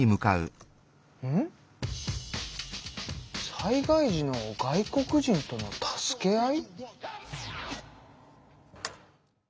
「災害時の外国人との助け合い」？